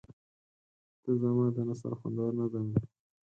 • ته زما د نثر خوندور نظم یې.